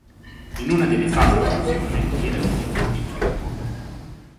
In una delle fasi di fusione, viene aggiunto il piombo.